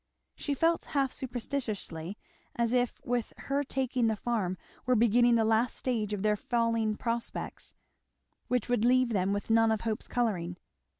She felt half superstitiously as if with her taking the farm were beginning the last stage of their falling prospects, which would leave them with none of hope's colouring.